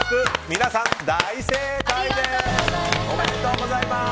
皆さん、大正解です。